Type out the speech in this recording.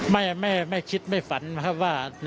ไม่คิดไม่ฝันนะครับว่า